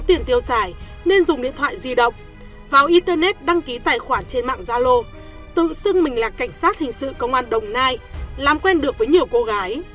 tiền tiêu xài nên dùng điện thoại di động vào internet đăng ký tài khoản trên mạng gia lô tự xưng mình là cảnh sát hình sự công an đồng nai làm quen được với nhiều cô gái